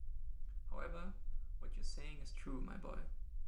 However, what you’re saying is true, my boy.